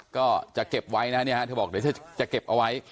ก็จะเก็บไว้นะเนี่ยฮะเธอบอกเดี๋ยวจะเก็บเอาไว้